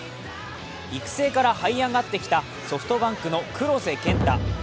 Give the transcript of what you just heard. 育成からはい上がってきたソフトバンクの黒瀬健太。